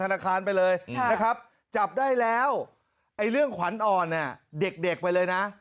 ธนาคารไปเลยนะครับจับได้แล้วไอ้เรื่องขวัญอ่อนเนี่ยเด็กเด็กไปเลยนะ